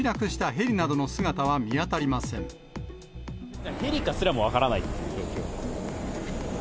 ヘリかすらも分からない状況？